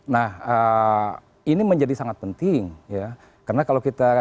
nah ini menjadi sangat penting ya karena kalau kita